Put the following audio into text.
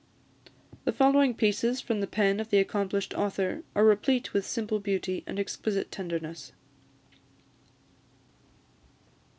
The following pieces from the pen of the accomplished author are replete with simple beauty and exquisite tenderness.